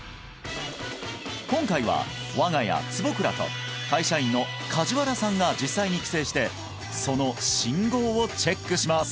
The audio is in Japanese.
今回は我が家坪倉と会社員の梶原さんが実際に帰省してその信号をチェックします